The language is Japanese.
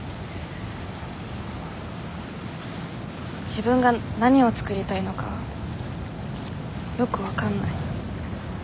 自分が何を作りたいのかよく分かんない。